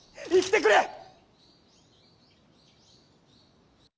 生きてくれ！